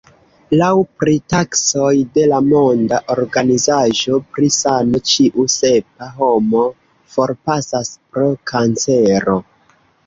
Laŭ pritaksoj de la Monda Organizaĵo pri Sano ĉiu sepa homo forpasas pro kancero.